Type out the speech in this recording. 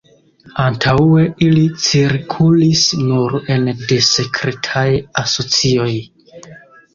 Antaŭe ili cirkulis nur ene de sekretaj asocioj.